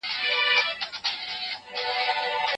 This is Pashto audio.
لویه جرګه کله د ولسمشر استعفا غوښتلی سي؟